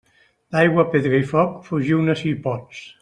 D'aigua, pedra i foc, fuig-ne si pots.